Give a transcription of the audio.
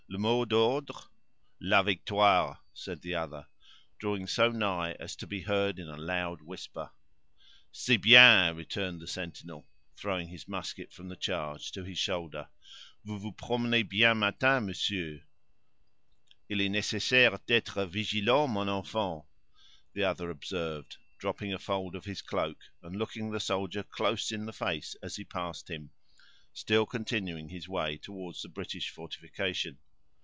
"Le mot d'ordre?" "La victorie," said the other, drawing so nigh as to be heard in a loud whisper. "C'est bien," returned the sentinel, throwing his musket from the charge to his shoulder; "vous promenez bien matin, monsieur!" "Il est necessaire d'être vigilant, mon enfant," the other observed, dropping a fold of his cloak, and looking the soldier close in the face as he passed him, still continuing his way toward the British fortification.